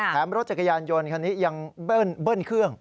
รถจักรยานยนต์คันนี้ยังเบิ้ลเครื่อง